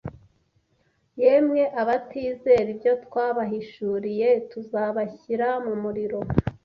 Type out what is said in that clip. yemwe abatizera ibyo twabahishuriye Tuzabashyira mu Muriro